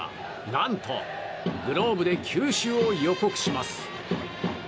何と、グローブで球種を予告します。